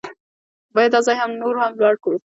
باید دا ځای نور هم لوړ کړو.